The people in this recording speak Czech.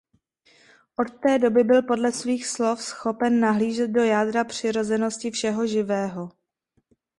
Od té doby byl podle svých slov schopen nahlížet do jádra přirozenosti všeho živého.